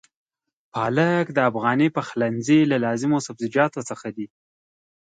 پالک د افغاني پخلنځي له لازمو سبزيجاتو څخه دی.